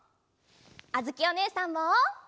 あづきおねえさんも。